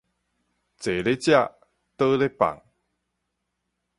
坐咧食，倒咧放